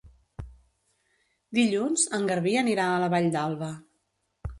Dilluns en Garbí anirà a la Vall d'Alba.